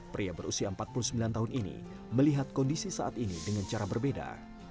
pria berusia empat puluh sembilan tahun ini melihat kondisi saat ini dengan cara berbeda